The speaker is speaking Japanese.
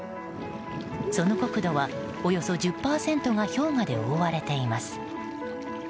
その国土は、およそ１０％が氷河で覆われています。